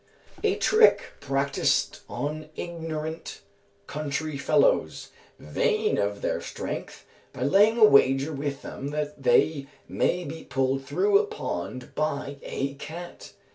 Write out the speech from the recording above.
"A trick practised on ignorant country fellows, vain of their strength, by laying a wager with them that they may be pulled through a pond by a cat.